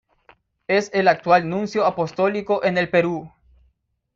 Es el actual nuncio apostólico en el Perú.